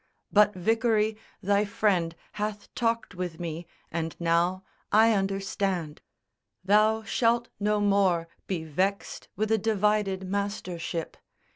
But Vicary, thy friend hath talked with me, And now I understand. Thou shalt no more Be vexed with a divided mastership.